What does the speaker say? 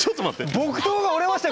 木刀が折れましたよ